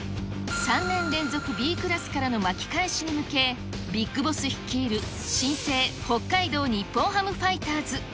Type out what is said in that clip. ３年連続Ｂクラスからの巻き返しに向け、ビッグボス率いる、新生北海道日本ハムファイターズ。